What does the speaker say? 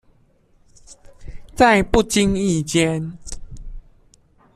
在不經意間